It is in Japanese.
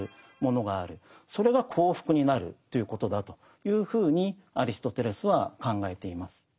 それが幸福になるということだというふうにアリストテレスは考えています。